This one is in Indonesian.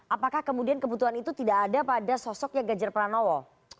apakah kemudian kebutuhan itu tidak ada pada sosoknya gajar pranowo